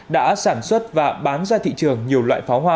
đã sản xuất và bán ra thị trường nhiều loại pháo hoa